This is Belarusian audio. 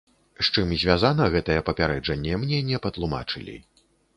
З чым звязана гэтае папярэджанне, мне не патлумачылі.